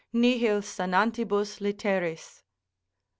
"Nihil sanantibus litteris."